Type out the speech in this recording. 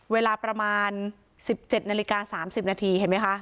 เวลาประมาณ๑๗นาฬิกา๓๐นาทีเห็นไหมคะ